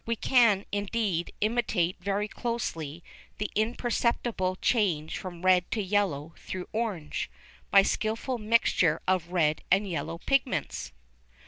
We can, indeed, imitate very closely the imperceptible change from red to yellow through orange, by skilful mixture of red and yellow pigments.